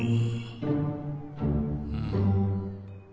うん。